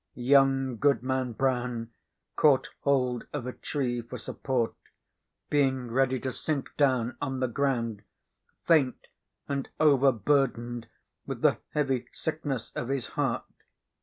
Young Goodman Brown caught hold of a tree for support, being ready to sink down on the ground, faint and overburdened with the heavy sickness of his heart.